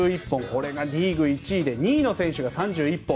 これがリーグ１位で２位の選手が３１本。